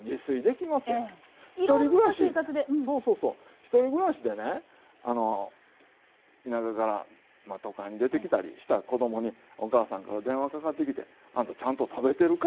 １人暮らしでね田舎から都会に出てきたりした子供にお母さんから電話かかってきて「あんたちゃんと食べてるか？」